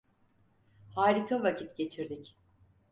Harika vakit geçirdik.